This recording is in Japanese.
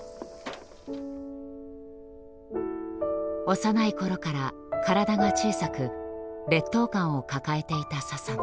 幼い頃から体が小さく劣等感を抱えていた佐々野。